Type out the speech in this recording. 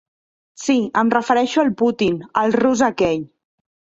Sí, em refereixo al Putin, el rus aquell.